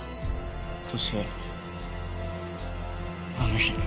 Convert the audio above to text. そしてあの日。